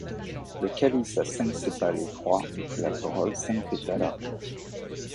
Le calice a cinq sépales étroits, la corolle cinq pétales arrondis.